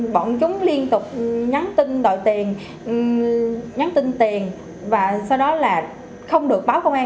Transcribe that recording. bọn chúng liên tục nhắn tin đòi tiền nhắn tin tiền và sau đó là không được báo công an